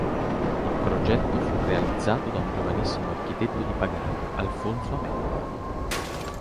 Il progetto fu realizzato da un giovanissimo architetto di Pagani, Alfonso Amendola.